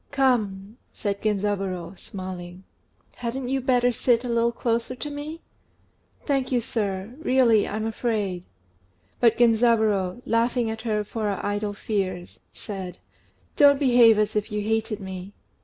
"Come," said Genzaburô, smiling, "hadn't you better sit a little closer to me?" "Thank you, sir; really I'm afraid." But Genzaburô, laughing at her for her idle fears, said "Don't behave as if you hated me."